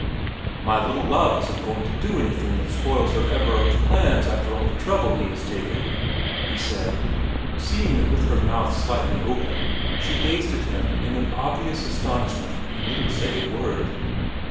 ' My little love isn't going to do anything that spoils her Everard's plans after all the trouble he has taken ?' he said, seeing that with her mouth slightly open she gazed at him in an obvious astonishment and didn't say a word.